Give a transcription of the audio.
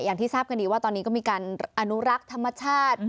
อย่างที่ทราบกันดีว่าตอนนี้ก็มีการอนุรักษ์ธรรมชาติ